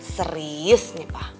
serius nih pa